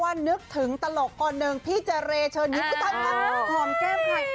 เพราะว่านึกถึงตลกก่อนหนึ่งพี่เจเรเชิญยิ้มข้อมแก้มใคร